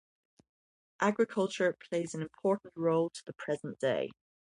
Agriculture plays an important role to the present day.